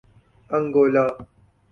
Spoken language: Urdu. انگولا